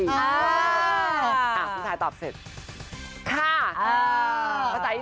จริงมาตอนถายตอบเสร็จ